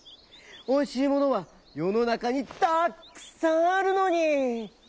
おいしいものはよのなかにたっくさんあるのに！」。